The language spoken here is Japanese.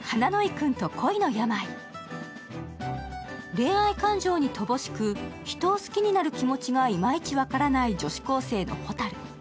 恋愛感情に乏しく、人を好きになる気持ちがいまいち分からない女子高生のほたる。